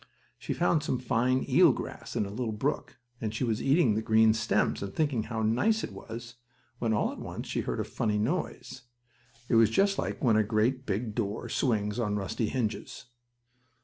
She found some fine eel grass in a little brook, and she was eating the green stems, and thinking how nice it was, when all at once she heard a funny noise. It was just like when a great, big door swings on rusty hinges.